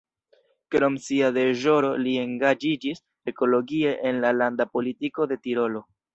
Krom sia deĵoro li engaĝiĝis ekologie en la landa politiko de Tirolo.